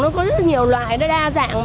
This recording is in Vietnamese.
nó có rất là nhiều loại nó đa dạng